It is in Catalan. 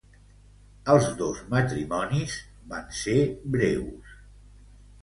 Els dos matrimonis van ser breus.